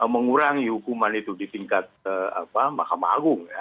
mengurangi hukuman itu di tingkat mahkamah agung